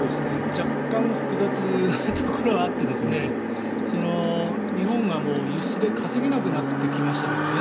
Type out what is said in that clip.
若干複雑なところはあって日本が輸出で稼げなくなってきましたからね。